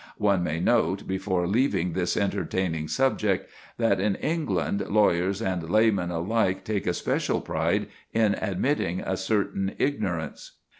One may note, before leaving this entertaining subject, that in England lawyers and laymen alike take a special pride in admitting a certain ignorance.